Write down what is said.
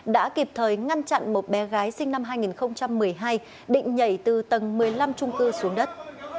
đã kịp thời ngăn chặn một bé gái sinh năm hai nghìn một mươi hai định nhảy từ tầng một mươi năm trung cư xuống đất